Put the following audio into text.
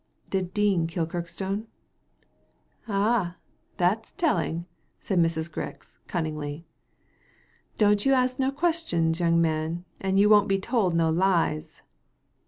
"Did Dean kill Kirkstone ?"Ah, that's telling I" said Mrs. Grix, cunningly. ''Don't you ask no questions, young man, and you won't be told no lies."